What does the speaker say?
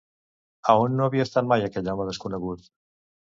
A on no havia estat mai aquell home desconegut?